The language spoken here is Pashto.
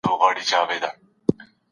موږکان د غار په خوله کي ګرځېدله